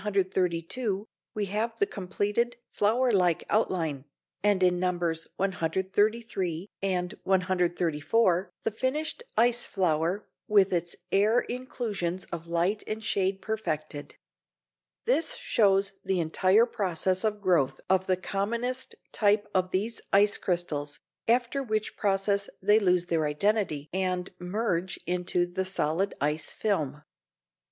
132, we have the completed flower like outline, and in Nos. 133 and 134 the finished ice flower with its air inclusions of light and shade perfected. This shows the entire process of growth of the commonest type of these ice crystals, after which process they lose their identity and merge into the solid ice film.